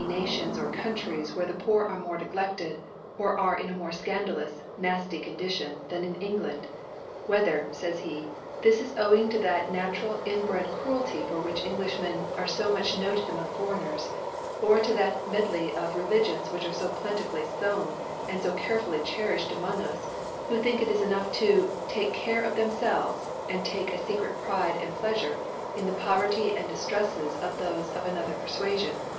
Nations or Cbuntries where the I^X)r are more ne glected, or are in a more fcandalous nafty Condition than in England. Whether (fays he) this is owing to that natural in bred Cruelty for which EngUJbmm are ib mudi noted among Foreigners, or tp that Medley of Religions which arc fo plenti fully fown, and fo carefully cherilhed a mong us ; who think it enough to take Care of themfelves, and take a fecret Pride and Pkafurc in the Poverty and Dif trcfles of thofe of another Perfualion,&?^.'